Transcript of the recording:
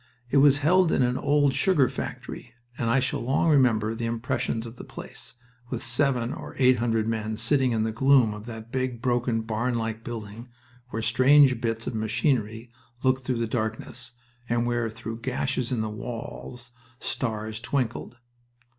It was held in an old sugar factory, and I shall long remember the impressions of the place, with seven or eight hundred men sitting in the gloom of that big, broken, barn like building, where strange bits of machinery looked through the darkness, and where through gashes in the walls stars twinkled.